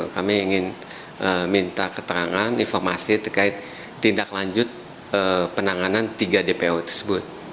kami ingin minta keterangan informasi terkait tindak lanjut penanganan tiga dpo tersebut